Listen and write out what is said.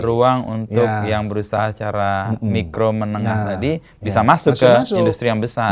ruang untuk yang berusaha secara mikro menengah tadi bisa masuk ke industri yang besar